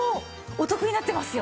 お得になってますよ。